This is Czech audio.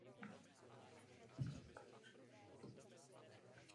Horní částí složeného oka vážka vidí na dálku a spodní částí vnímá bližší předměty.